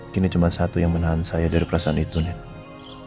kini cuma satu yang menahan saya dari perasaan itu nenek